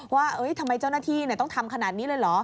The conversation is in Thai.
ว่าทำไมเจ้าหน้าที่ต้องทำขนาดนี้เลยเหรอ